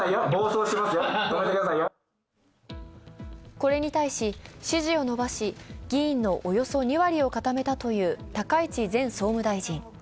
これに対し、支持を伸ばし、議員のおよそ２割を固めたという高市前総務大臣。